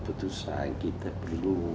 perusahaan kita perlu